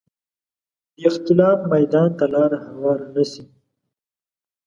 د اختلاف میدان ته لاره هواره نه شي